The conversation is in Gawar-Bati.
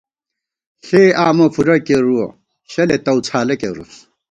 ݪے آمہ فُورہ کېرُوَہ ، شَلے تَؤڅھالہ کېرُوس